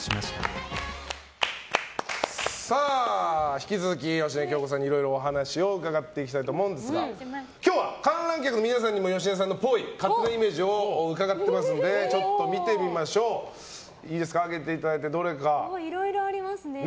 引き続き芳根京子さんにいろいろお話を伺っていきたいと思うんですが今日は観覧客の皆さんにも芳根さんのぽい勝手なイメージを伺ってますのでいろいろありますね。